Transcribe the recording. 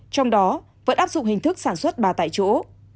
trong đó vẫn áp dụng hình thức sản xuất ba tại chỗ